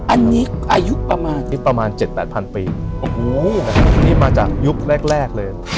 อันนี้อายุประมาณนี้ประมาณเจ็ดแปดพันปีโอ้โหนี่มาจากยุคแรกแรกเลย